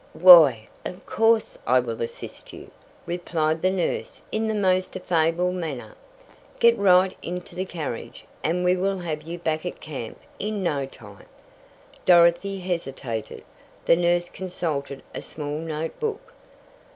"Why, of course I will assist you!" replied the nurse in the most affable manner. "Get right into the carriage, and we will have you back at camp in no time." Dorothy hesitated. The nurse consulted a small note book.